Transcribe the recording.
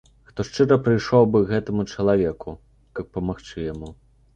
Хто шчыра прыйшоў бы к гэтаму чалавеку, каб памагчы яму?